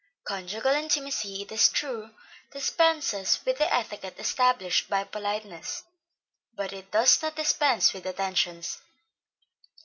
Conjugal intimacy, it is true, dispenses with the etiquette established by politeness, but it does not dispense with attentions.